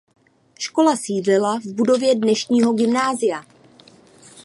Škola sídlila v budově dnešního gymnázia.